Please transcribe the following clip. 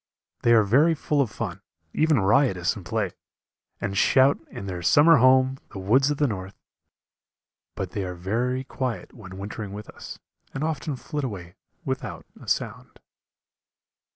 They are very full of fun, even riotous in play, and shout, in their summer home the woods of the north but they are very quiet when wintering with us, and often flit away without a sound.